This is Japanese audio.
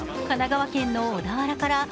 神奈川県の小田原から